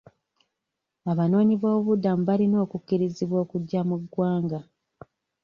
Abanoonyiboobubudamu balina okukkirizibwa okujja mu ggwanga.